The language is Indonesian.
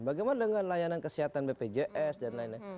bagaimana dengan layanan kesehatan bpjs dan lain lain